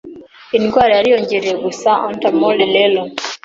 indwara yariyongereye gusa Antamon rero